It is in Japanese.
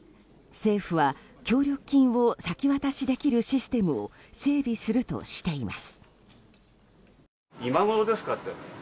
政府は協力金を先渡しできるシステムを整備するとしています。